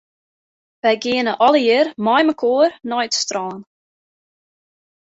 Wy geane allegear meimekoar nei it strân.